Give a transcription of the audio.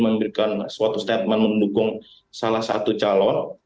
memberikan suatu statement mendukung salah satu calon